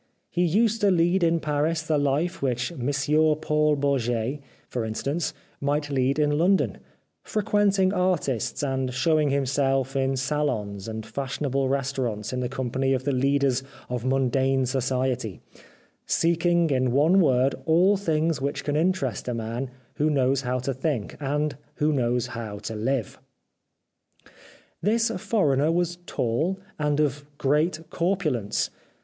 He used to lead in Paris the life which Monsieur Paul Bourget, for in stance, might lead in London, frequenting artists, and showing himself in salons and fashionable restaurants in the company of the 342 The Life of Oscar Wilde leaders of mundane society ; seeking in one word all things which can interest a man who knows how to think, and who knows how to live. " This foreigner was tall and of great corpul ence.